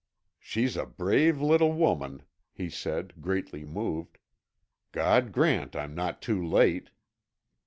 "She's a brave little woman," he said, greatly moved. "God grant I'm not too late!"